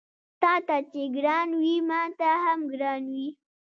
تاته چې ګران وي ماته هم ګران وي